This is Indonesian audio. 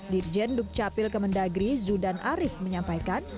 dirjen dukcapil kemendagri zudan arief menyampaikan